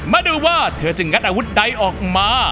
มาดูว่าเธอจะงัดอาวุธใดออกมา